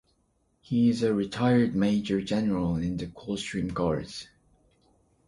He is a retired Major-General in the Coldstream Guards.